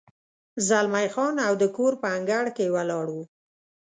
زلمی خان او د کور په انګړ کې ولاړ و.